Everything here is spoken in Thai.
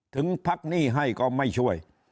ถึงพักหนี้ให้ก็ไม่ช่วย